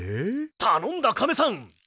たのんだカメさん！